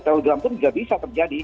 telegram pun juga bisa terjadi